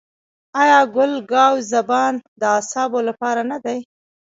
آیا ګل ګاو زبان د اعصابو لپاره نه دی؟